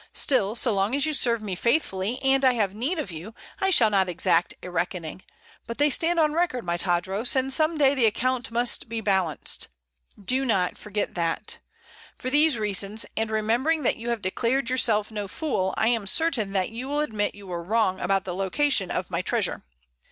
"Still, so long as you serve me faithfully, and I have need of you, I shall not exact a reckoning; but they stand on record, my Tadros, and some day the account must be balanced. Do not forget that. For these reasons, and remembering that you have declared yourself no fool, I am certain that you will admit you were wrong about the location of my treasure.